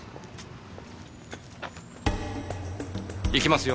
行きますよ。